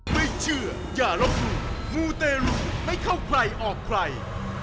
ไม่เชื่ออย่าลบหลู่มูเตรุไม่เข้าใครออกใคร